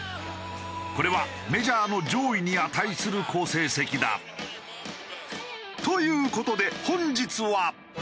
これはメジャーの上位に値する好成績だ。という事で本日は。